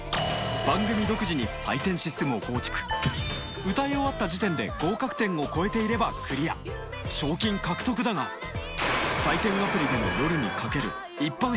番組独自に採点システムを構築歌い終わった時点で合格点を超えていればクリア賞金獲得だがえっ！